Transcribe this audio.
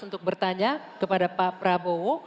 untuk bertanya kepada pak prabowo